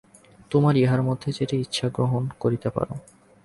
তোমরা ইহার মধ্যে যেটি ইচ্ছা গ্রহণ করিতে পার।